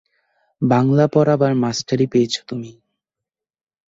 বাংলা পড়াবার মাস্টারি পেয়েছ তুমি।